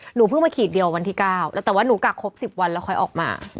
หนูเพิ่งมาขีดเดียววันที่๙แล้วแต่ว่าหนูกักครบ๑๐วันแล้วค่อยออกมา